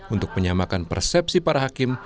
untuk menyamakan persepsi para hakim